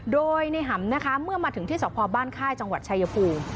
โดยในหำนะคะเมื่อมาถึงที่สพบ้านค่ายจังหวัดชายภูมิ